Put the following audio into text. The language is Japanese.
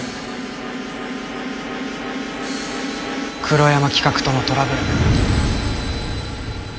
黒山企画とのトラブル。